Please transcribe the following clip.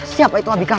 siapa itu abikar